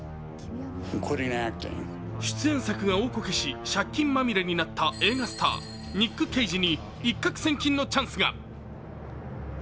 出演作が大コケし借金まみれになった映画スター、ニック・ケイジに一獲千金のチャンスが。